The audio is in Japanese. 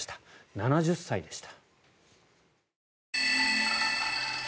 ７０歳でした。